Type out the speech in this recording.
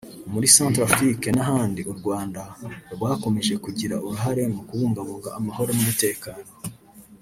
muri Centre Afrique n’ahandi u Rwanda rwakomeje kugira uruhare mu kubungabunga amahoro n’umutekano